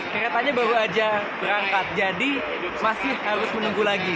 keretanya baru aja berangkat jadi masih harus menunggu lagi